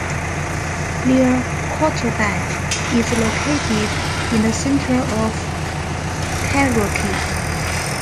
Liaquatabad is located in the centre of karachi.